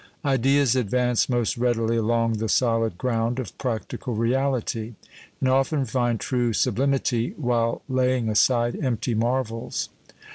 Ideas advance most readily along the solid ground of practical reality, and often find true sublimity while laying aside empty marvels.